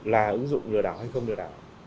là ứng dụng lừa đảo hay không lừa đảo